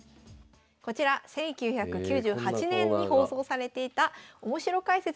こちら１９９８年に放送されていたおもしろ解説でおなじみ